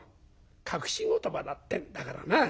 隠し言葉だってんだからな。